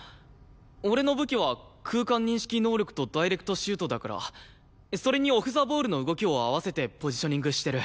俺の武器は空間認識能力とダイレクトシュートだからそれにオフ・ザ・ボールの動きを合わせてポジショニングしてる。